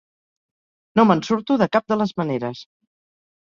No me'n surto de cap de les maneres.